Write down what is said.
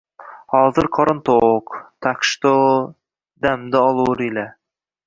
Hozir qorin to’q.... Tak chto damdi olurila...